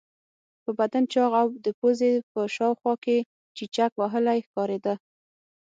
په بدن چاغ او د پوزې په شاوخوا کې چیچک وهلی ښکارېده.